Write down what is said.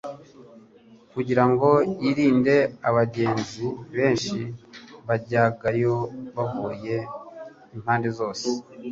kugira ngo yirinde abagenzi benshi bajyagayo bavuye impande zose.